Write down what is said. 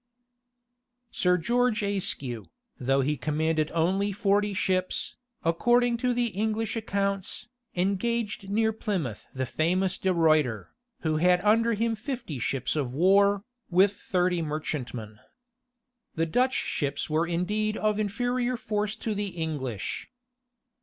Sir George Ayscue, though he commanded only forty ships, according to the English accounts, engaged near Plymouth the famous De Ruiter, who had under him fifty ships of war, with thirty merchantmen. The Dutch ships were indeed of inferior force to the English.